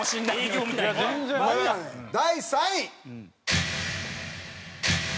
第３位。